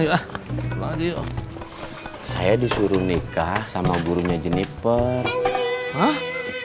jumproh saya disuruh nikah sama gurunya jenipers hah